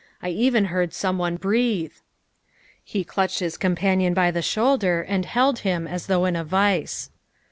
I even heard some one breathe. '' He clutched his companion by the shoulder and held him as though in a vice.